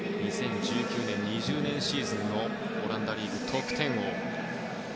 ２０１９年、２０年シーズンのオランダリーグ得点王。